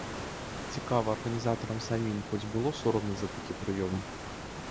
Цікава, арганізатарам самім хоць было сорамна за такі прыём?